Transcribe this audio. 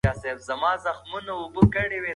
د دیني تحقیق په اړه سوالونه تل باید مطرح شی.